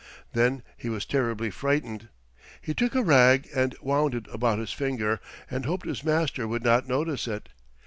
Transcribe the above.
Then he was terribly frightened. He took a rag and wound it about his finger and hoped his master would not notice it.